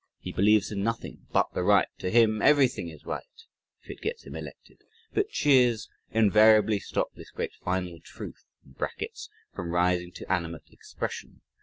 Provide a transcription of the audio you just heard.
he believes in nothing but the right; (to him everything is right! if it gets him elected); but cheers invariably stop this great final truth (in brackets) from rising to animate expression.